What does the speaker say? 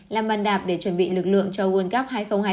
làm bàn đạp để chuẩn bị lực lượng cho world cup hai nghìn hai mươi